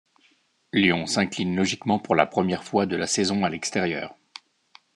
Lyon s'incline logiquement pour la première fois de la saison à l'extérieur.